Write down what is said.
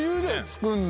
作んの。